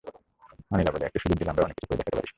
আনিলা বলে, একটু সুযোগ দিলে আমরাও অনেক কিছু করে দেখাতে পারি।